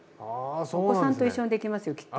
お子さんと一緒にできますよきっと。